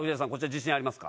自信ありますか？